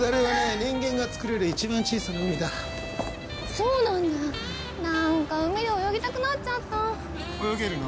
人間が作れる一番小さな海だそうなんだなんか海泳ぎたくなっちゃった泳げるの？